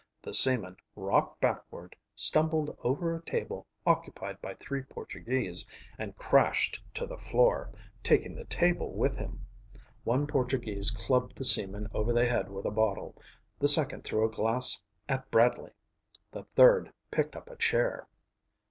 The seaman rocked backward, stumbled over a table occupied by three Portuguese, and crashed to the floor, taking the table with him. One Portuguese clubbed the seaman over the head with a bottle. The second threw a glass at Bradley. The third picked up a chair.